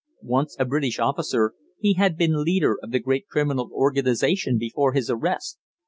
Once a British officer, he had been leader of the great criminal organization before his arrest.